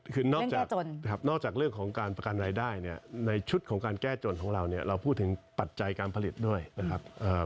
คือนอกจากเรื่องของการประกันรายได้เนี่ยในชุดของการแก้จนของเราเนี่ยเราพูดถึงปัจจัยการผลิตด้วยนะครับ